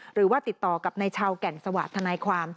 หรือว่าติดต่อกับนายชาวแก่นสวาสทนายความ